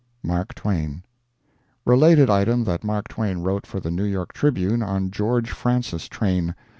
MARK TWAIN. [Related item that Mark Twain wrote for the New York Tribune on GEORGE FRANCIS TRAIN.